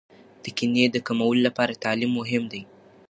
د کینې د کمولو لپاره تعلیم مهم دی.